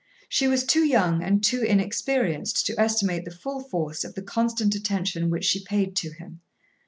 She was too young and too inexperienced to estimate the full force of the constant attention which she paid to him.